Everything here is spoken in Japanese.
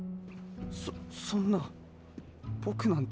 そっそんなぼくなんて。